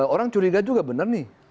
orang curiga juga benar nih